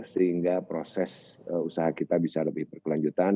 sehingga proses usaha kita bisa lebih berkelanjutan